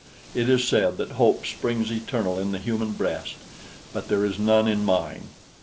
It is said that hope springs eternal in the human breast; but there is none in mine.